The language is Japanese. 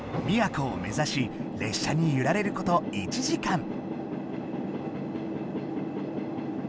宮古を目ざし列車にゆられること１時間。